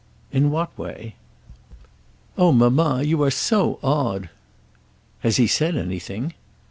"In what way?" "Oh, mamma, you are so odd." "Has he said anything?"